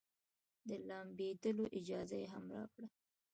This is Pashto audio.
د لامبېدلو اجازه يې هم راکړه.